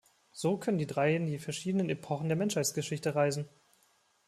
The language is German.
So können die drei in die verschiedenen Epochen der Menschheitsgeschichte reisen.